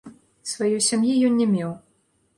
Сваёй сям'і ён не меў.